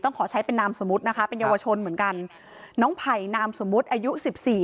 ขอใช้เป็นนามสมมุตินะคะเป็นเยาวชนเหมือนกันน้องไผ่นามสมมุติอายุสิบสี่